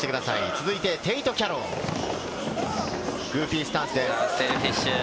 続いてテイト・キャロウ、グーフィースタンスです。